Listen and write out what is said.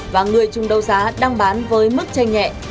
và người chung đấu giá đang bán với mức tranh nhẹ